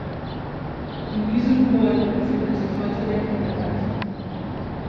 In diesem Gebäude befindet sich heute der Kindergarten.